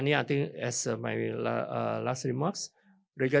saya pikir seperti pembicaraan terakhir saya